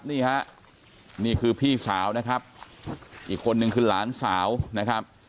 นี่ฮะนี่คือพี่สาวนะครับอีกคนนึงคือหลานสาวนะครับ